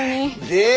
で？